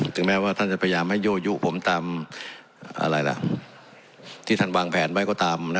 ถึงแม้ว่าท่านจะพยายามให้ยั่วยุผมตามอะไรล่ะที่ท่านวางแผนไว้ก็ตามนะ